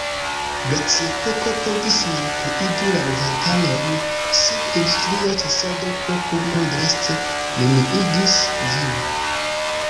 Glaciepoko povis malpliigi la loĝantaron, sed industria ĉasado pro plumoj draste neniigis ĝin.